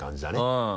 うん。